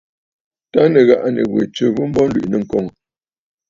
Tâ nɨ̀ghàꞌà nì wè tswe ghu mbo, ǹlwìꞌì nɨ̂ŋkoŋə̀.